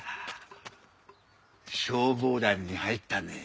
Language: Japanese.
消防団に入ったね。